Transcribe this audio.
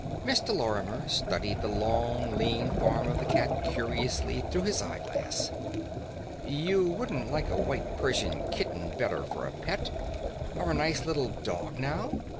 Mr. Lorimer studied the long lean form of the cat curiously through his eye glass. "You wouldn't like a white Persian kitten better for a pet or a nice little dog, now?"